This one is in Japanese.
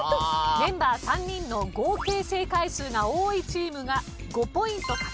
メンバー３人の合計正解数が多いチームが５ポイント獲得です。